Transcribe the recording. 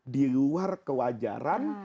di luar kewajaran